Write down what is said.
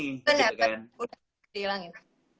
udah udah dihilangin